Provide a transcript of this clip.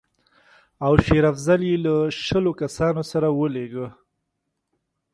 او شېر افضل یې له شلو کسانو سره ولېږه.